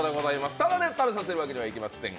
タダで食べさせるわけにはいきません。